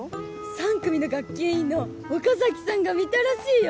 ３組の学級委員の岡崎さんが見たらしいよ